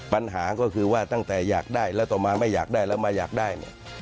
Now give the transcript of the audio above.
ปัญหาก็คือว่าตั้งแต่อยากได้แล้วต่อมาไม่อยากได้แล้วมาอยากได้เนี่ย